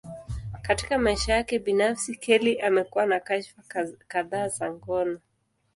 Katika maisha yake binafsi, Kelly amekuwa na kashfa kadhaa za ngono.